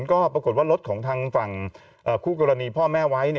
ก็ปรากฏว่ารถของทางฝั่งคู่กรณีพ่อแม่ไว้